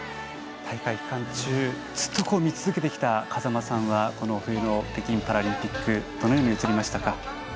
大会期間中ずっと見続けてきた風間さんはこの冬の北京パラリンピックどのように映りましたか。